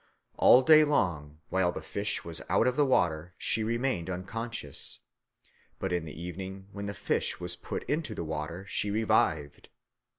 All day long, while the fish was out of the water, she remained unconscious; but in the evening, when the fish was put into the water, she revived.